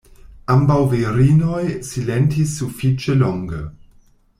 Ambaŭ virinoj silentis sufiĉe longe.